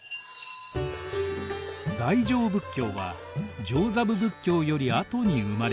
大乗仏教は上座部仏教より後に生まれました。